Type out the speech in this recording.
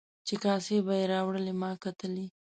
چې کاسې به یې راوړلې ما کتلې.